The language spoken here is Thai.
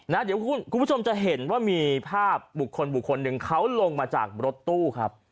เดี๋ยวคุณผู้ชมจะเห็นว่ามีภาพบุคคลบุคคลหนึ่งเขาลงมาจากรถตู้ครับ